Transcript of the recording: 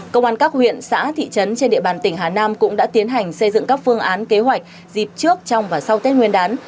công an các huyện xã thị trấn trên địa bàn tỉnh hà nam cũng đã tiến hành xây dựng các phương án kế hoạch dịp trước trong và sau tết nguyên đán